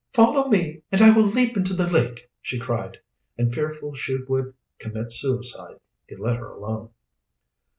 "Follow me and I will leap into the lake," she cried, and fearful she would commit suicide, he let her alone.